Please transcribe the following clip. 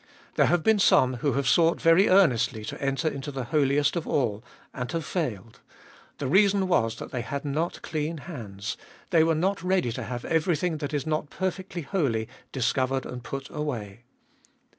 There have been some who have sought very earnestly to enter into the Holiest of All and have failed. The TTbe Dolfest of Bll 383 reason was that they had not clean hands, they were not ready to have everything that is not perfectly holy discovered and put away.